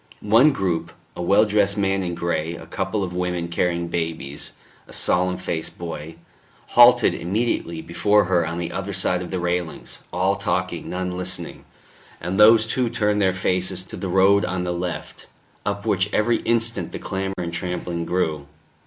One group a well dressed man in grey, a couple of women carrying babies, a solemn faced boy halted immediately before her on the other side of the railings, all talking, none listening, and these too turned their faces to the road on the left, up which every instant the clamour and trampling grew.